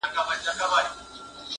هره ورځ یې له دباغ سره دعوه وه -